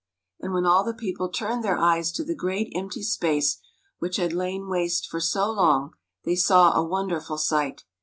" And when all the people turned their eyes to the great empty space which had lain waste for so long, they saw a wonderful sight.